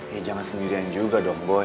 ya jangan sendirian juga dong boy